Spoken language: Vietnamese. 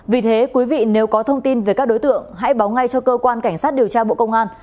vì thế quý vị nếu có thông tin về các đối tượng hãy báo ngay cho cơ quan cảnh sát điều tra bộ công an